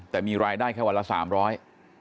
แต่มีรายได้แค่วันละ๓๐๐บาท